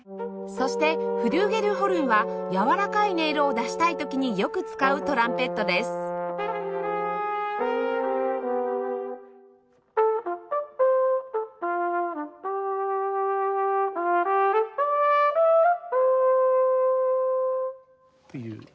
そしてフリューゲルホルンはやわらかい音色を出したい時によく使うトランペットですっていう。